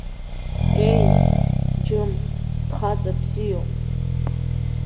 Еи, џьым, дхаҵа бзиоуп.